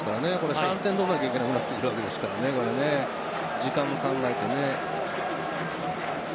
３点取らなきゃいけなくなるわけですからね時間も考えて。